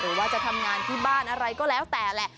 หรือว่าจะทำงานที่บ้านอะไรก็แล้วแต่แหละ